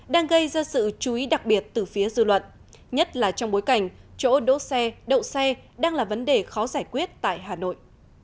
đang gây ra sự chú ý đặc biệt từ phía dư luận nhất là trong bối cảnh chỗ đỗ xe đậu xe đang là vấn đề khó giải quyết tại hà nội